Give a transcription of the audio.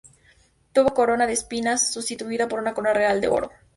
Tuvo corona de espinas, sustituida por una corona real de oro.